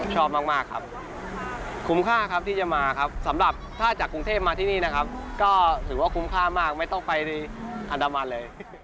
ชอบมากครับคุ้มค่าครับที่จะมาครับสำหรับถ้าจากกรุงเทพมาที่นี่นะครับก็ถือว่าคุ้มค่ามากไม่ต้องไปในอันดามันเลย